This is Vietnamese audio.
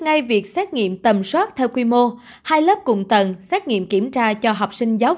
ngay việc xét nghiệm tầm soát theo quy mô hai lớp cùng tầng xét nghiệm kiểm tra cho học sinh giáo